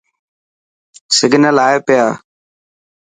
سگنل آئي پيا.